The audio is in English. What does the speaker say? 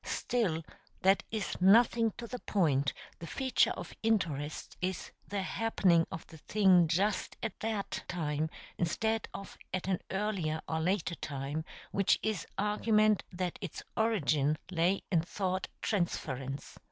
Still, that is nothing to the point; the feature of interest is the happening of the thing just at that time, instead of at an earlier or later time, which is argument that its origin lay in thought transference.